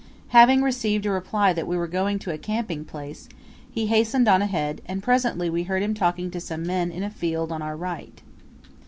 Having received a reply that we were going to a camping place, he hastened on ahead, and presently we heard him talking to some men in a field on our right.